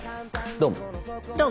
「どうも」。